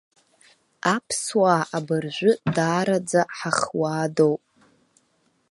Аԥсуаа абыржәы даараӡа ҳахуаадоуп.